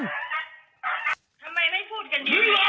ทำไมไม่พูดกันอย่างนี้มึงรอไว้ไหลถูก